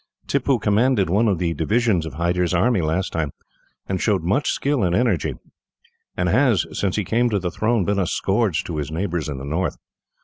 Tippoo commanded one of the divisions of Hyder's army, last time, and showed much skill and energy; and has, since he came to the throne, been a scourge to his neighbours in the north.